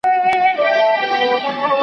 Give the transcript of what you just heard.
منت واخله، ولي منت مکوه